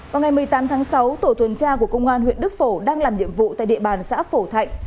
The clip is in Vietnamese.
vào ngày một mươi tám tháng sáu tổ tuần tra của công an huyện đức phổ đang làm nhiệm vụ tại địa bàn xã phổ thạnh